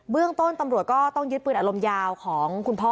เรื่องต้นตำรวจก็ต้องยึดปืนอารมณ์ยาวของคุณพ่อ